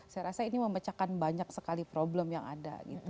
saya rasa ini memecahkan banyak sekali problem yang ada